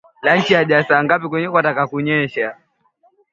Aliisambaza kutoka Kilwa hadi Songea